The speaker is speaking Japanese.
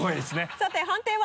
さて判定は？